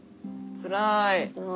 つらい。